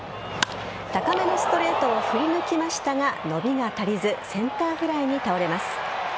高めのストレートを振り抜きましたが伸びが足りずセンターフライに倒れます。